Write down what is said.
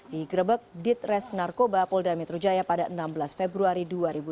digrebek ditres narkoba polda metro jaya pada enam belas februari dua ribu dua puluh